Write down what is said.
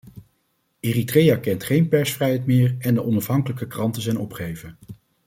Eritrea kent geen persvrijheid meer en de onafhankelijke kranten zijn opgeheven.